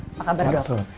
apa kabar dok